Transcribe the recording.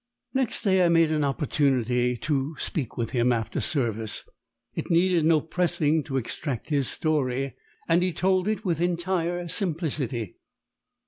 Next day I made an opportunity to speak with him, after service. It needed no pressing to extract his story, and he told it with entire simplicity.